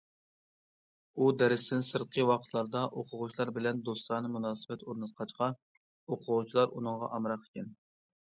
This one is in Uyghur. ئۇ دەرستىن سىرتقى ۋاقىتلاردا ئوقۇغۇچىلار بىلەن دوستانە مۇناسىۋەت ئورناتقاچقا، ئوقۇغۇچىلار ئۇنىڭغا ئامراق ئىكەن.